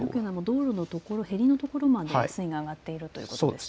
道路のへりの所まで水位が上がっているということですね。